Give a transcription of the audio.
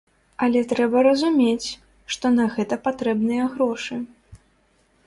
Але трэба разумець, што на гэта патрэбныя грошы.